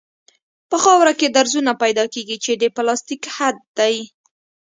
په خاوره کې درزونه پیدا کیږي چې د پلاستیک حد دی